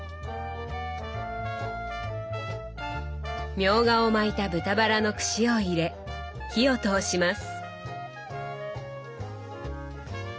みょうがを巻いた豚バラの串を入れ火を通します。